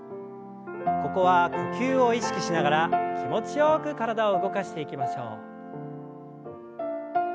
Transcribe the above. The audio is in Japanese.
ここは呼吸を意識しながら気持ちよく体を動かしていきましょう。